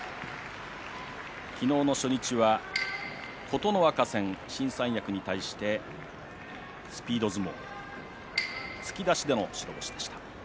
昨日の初日は琴ノ若戦新三役に対してスピード相撲突き出しでの白星でした。